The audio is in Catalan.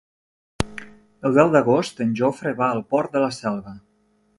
El deu d'agost en Jofre va al Port de la Selva.